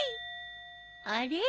あれ？